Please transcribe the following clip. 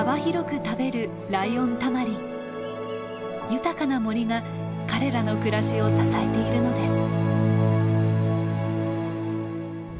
豊かな森が彼らの暮らしを支えているのです。